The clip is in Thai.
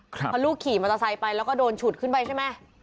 เพราะลูกขี่มอเตอร์ไซค์ไปแล้วก็โดนฉุดขึ้นไปใช่ไหม